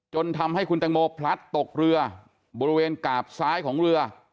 จนทำให้คุณตังโมพลัดตกเรือบริเวณกาบซ้ายของเรือ